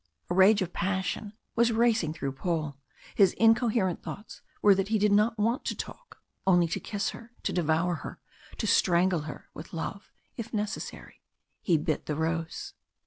A rage of passion was racing through Paul, his incoherent thoughts were that he did not want to talk only to kiss her to devour her to strangle her with love if necessary. He bit the rose.